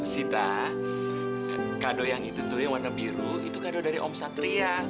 sita kado yang itu tuh yang warna biru itu kado dari om satria